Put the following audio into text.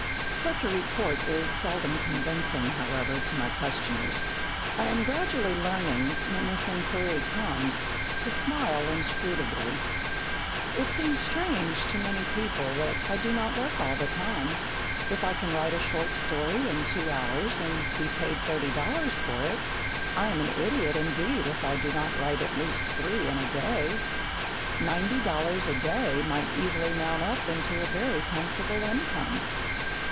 Such a report is seldom convincing, however, to my questioners. I am gradually learning, when this inquiry comes, to smile inscrutably. It seems strange to many people that I do not work all the time. If I can write a short story in two hours and be paid thirty dollars for it, I am an idiot indeed if I do not write at least three in a day! Ninety dollars a day might easily mount up into a very comfortable income.